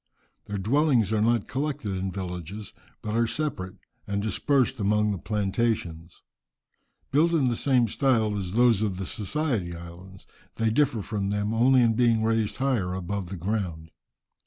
Their dwellings are not collected in villages, but are separate and dispersed among the plantations. Built in the same style as those of the Society Isles, they differ from them only in being raised higher above the ground.